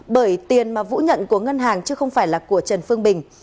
bởi tiền mà vũ nhận của ngân hàng chứ không phải là của trần phương bình